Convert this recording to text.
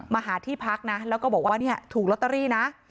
มาหาที่พักนะแล้วก็บอกว่าเนี่ยถูกลอตเตอรี่นะ